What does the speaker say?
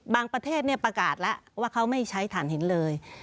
ประเทศประกาศแล้วว่าเขาไม่ใช้ฐานหินเลย